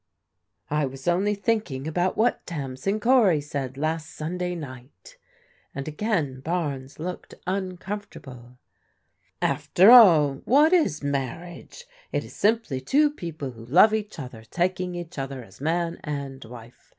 I was only thinking about what Tamsin Cory said last Sunday night," and again Barnes looked uncom fortable. "After all, what is marriage? It is simply two people who love each other, taking each other as man and wife.